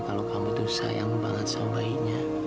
kalau kamu tuh sayang banget sama bayinya